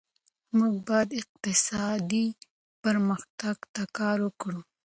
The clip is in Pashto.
موږ باید اقتصادي پرمختګ ته کار وکړو.